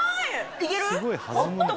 いける？